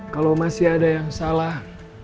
kalau masih ada yang salah